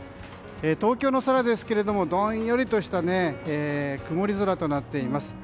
東京の空ですけれどもどんよりとした雲り空となっています。